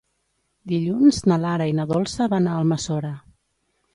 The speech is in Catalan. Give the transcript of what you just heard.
Dilluns na Lara i na Dolça van a Almassora.